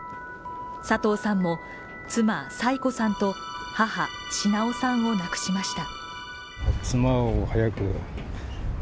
佐藤さんも妻・才子さんと母・しなをさんを亡くしました。